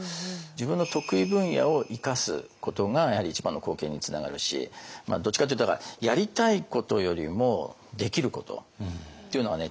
自分の得意分野を生かすことがやはり一番の貢献につながるしどっちかっていうとだからやりたいことよりもできることっていうのはね